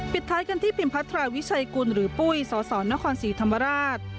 ท้ายกันที่พิมพัทราวิชัยกุลหรือปุ้ยสสนครศรีธรรมราช